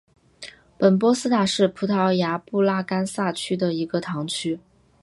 本波斯塔是葡萄牙布拉干萨区的一个堂区。